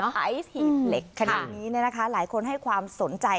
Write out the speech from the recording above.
สำหรับไอซ์หีดเหล็กคณิตนี้นะคะหลายคนให้ความสนใจ